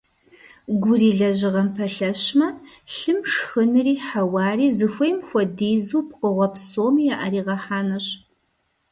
Гур и лэжьыгъэм пэлъэщмэ, лъым шхынри хьэуари зыхуейм хуэдизу пкъыгъуэ псоми яӀэригъэхьэнущ.